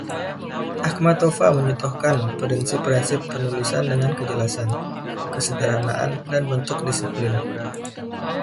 Akhmatova mencontohkan prinsip-prinsip penulisan dengan kejelasan, kesederhanaan, dan bentuk disiplin.